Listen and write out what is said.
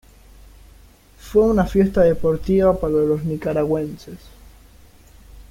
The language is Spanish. Fue una fiesta deportiva para los nicaragüenses.